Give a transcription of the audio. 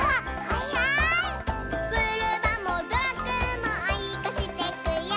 「クルマもトラックもおいこしてくよ」